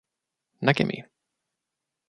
Näkemiin